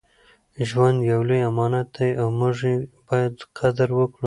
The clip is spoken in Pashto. ژوند یو لوی امانت دی او موږ یې باید قدر وکړو.